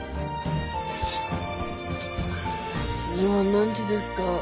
今何時ですか？